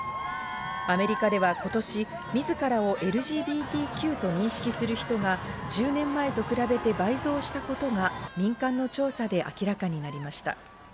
アメリカでは今年、自らをＬＧＢＴＱと認識する人が１０年前と比べて倍増したことが民間の調査で明らかになりました。